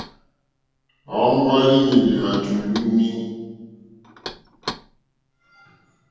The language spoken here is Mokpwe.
Ɔ́ŋɡɔ́línì lwàtò lúúǃní.